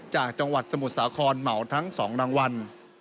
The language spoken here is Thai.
จากจังหวัดสมุทรสาครเหมาทั้ง๒รางวัล